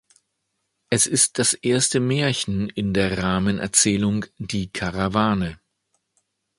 Es ist das erste Märchen in der Rahmenerzählung „Die Karawane“.